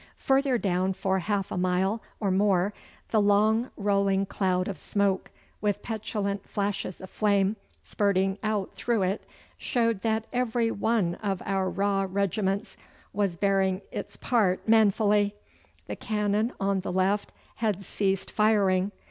Further down for half a mile or more the long rolling cloud of smoke, with petulant flashes of flame spurting out through it, showed that every one of our raw regiments was bearing its part manfully. The cannon on the left had ceased firing.